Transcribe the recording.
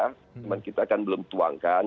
cuma kita kan belum tuangkan